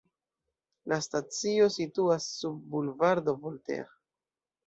La stacio situas sub Bulvardo Voltaire.